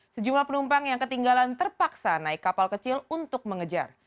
sejumlah penumpang yang ketinggalan terpaksa naik kapal kecil untuk mengejar